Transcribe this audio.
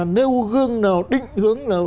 nêu gương nào định hướng nào